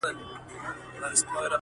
زما په غم کي تر قيامته به ژړيږي٫